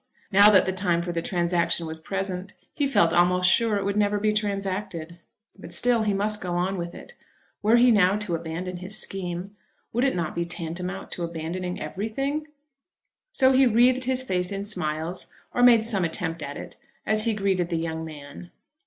Now that the time for the transaction was present he felt almost sure it would never be transacted. But still he must go on with it. Were he now to abandon his scheme, would it not be tantamount to abandoning everything? So he wreathed his face in smiles, or made some attempt at it, as he greeted the young man.